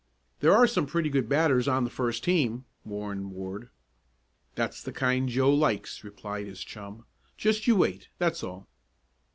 "There are some pretty good batters on the first team," warned Ward. "That's the kind Joe likes," replied his chum. "Just you wait; that's all."